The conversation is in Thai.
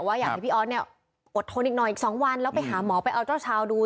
อยากให้พี่ออสเนี่ยอดทนอีกหน่อยอีก๒วันแล้วไปหาหมอไปเอาเจ้าชาวดู